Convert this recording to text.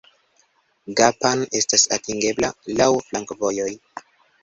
Gapan estas atingebla laŭ flankovojoj.